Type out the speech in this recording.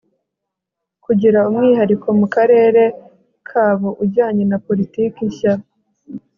kugira umwihariko mu karere kabo ujyanye na poritiki nshya